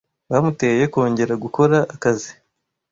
Bamuteye kongera gukora akazi.